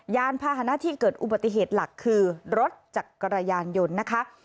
ยานพาหนะที่เกิดอุบัติเหตุหลักคือรถจักรยานยนต์นะคะ